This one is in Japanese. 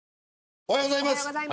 おはようございます。